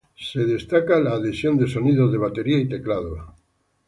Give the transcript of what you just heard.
Se destaca la adhesión de sonidos de batería y teclados.